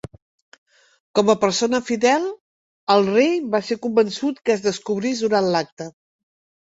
Com a persona fidel al rei va ser convençut que es descobrís durant l'acte.